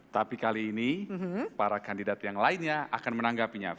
tapi kali ini para kandidat yang lainnya akan menanggapinya